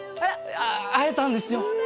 会えたんですよ